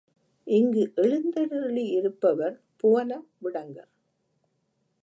இங்கு எழுந்தருளி இருப்பவர் புவனவிடங்கர்.